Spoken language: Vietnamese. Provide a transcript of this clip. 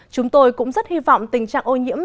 chúng tôi cũng rất hy vọng tình trạng ô nhiễm